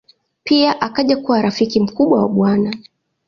Pia akaja kuwa rafiki mkubwa wa Bw.